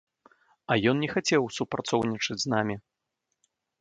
А ён не хацеў супрацоўнічаць з намі.